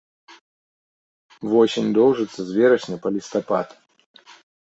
Восень доўжыцца з верасня па лістапад.